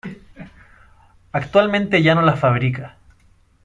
Actualmente ya no las fabrica.